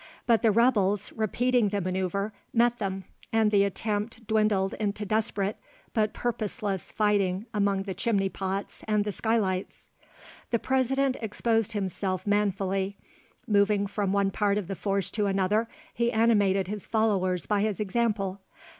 But the rebels, repeating the manoeuvre, met them and the attempt dwindled into desperate but purposeless fighting among the chimney pots and the skylights. The President exposed himself manfully. Moving from one part of the force to another, he animated his followers by his example.